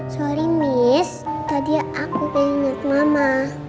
sorry miss tadi aku pengen nyuruh mama